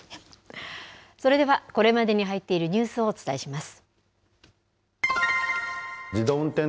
それではこれまでに入っているニュースをお伝えします。